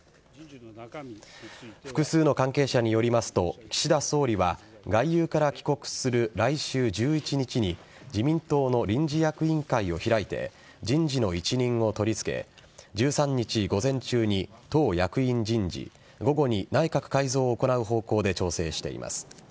複数の関係者によりますと岸田総理は外遊から帰国する来週１１日に自民党の臨時役員会を開いて人事の一任を取り付け１３日午前中に党役員人事午後に内閣改造を行う方向で調整しています。